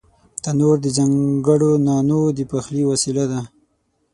تنور د ځانگړو نانو د پخلي وسیله ده